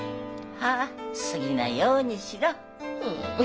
はあ好ぎなようにしろ。